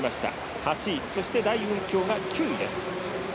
８位、そして代雲強が９位です。